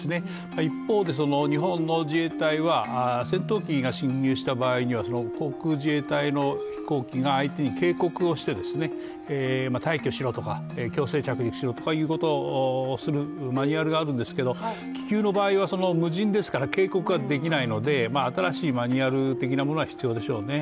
一方で、日本の自衛隊は戦闘機が侵入した場合には、航空自衛隊の飛行機が相手に警告をして退去しろとか強制着陸しろということをするマニュアルがあるんですけど気球の場合は無人ですから警告ができないので、新しいマニュアル的なものは必要でしょうね。